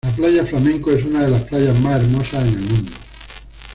La Playa Flamenco es una de las playas más hermosas en el mundo.